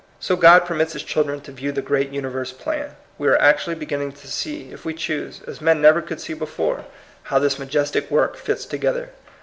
So God permits his children to view the great universe plan. We are actually be ginning to see, if we choose, as men never could see before, how this majestic work fits together.